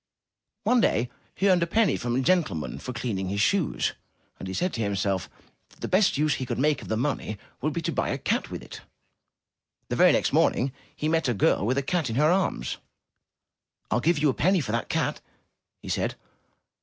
One day he earned a penny from a gentleman for cleaning his shoes, and he said to himself that the best use he could make of the money would be to buy a cat with it. The very next morning he met a girl with a cat in her arms. *T'll give you a penny for that cat, he said.